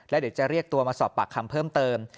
เดี๋ยวจะเรียกตัวมาสอบปากคำเพิ่มเติม